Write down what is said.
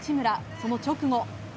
その直後。